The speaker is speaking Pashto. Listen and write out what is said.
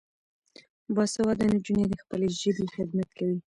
باسواده نجونې د خپلې ژبې خدمت کوي.